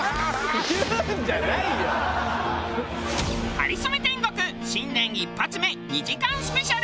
『かりそめ天国』新年一発目２時間スペシャル！